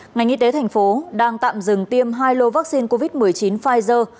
ngành y tế thành phố đang tạm dừng tiêm hai lô vaccine covid một mươi chín pfizer